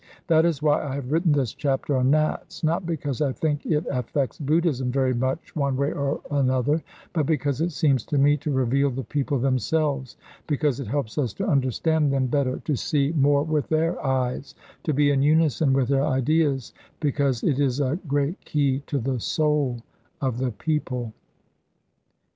That is why I have written this chapter on Nats: not because I think it affects Buddhism very much one way or another, but because it seems to me to reveal the people themselves, because it helps us to understand them better, to see more with their eyes, to be in unison with their ideas because it is a great key to the soul of the people.